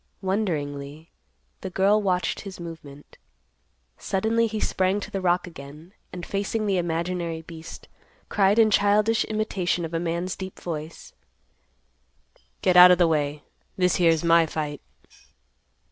Wonderingly, the girl watched his movement. Suddenly he sprang to the rock again, and facing the imaginary beast, cried in childish imitation of a man's deep voice, "Get out of the way. This here's my fight."